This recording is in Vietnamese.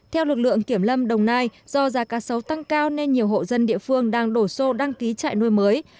theo lực lượng kiểm lâm đồng nai do giá cá sấu tăng cao nên nhiều hộ dân địa phương đang đổ xô đăng ký trại nuôi mới